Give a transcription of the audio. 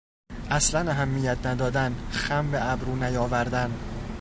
اصلا اهمیت ندادن، خم به ابرو نیاوردن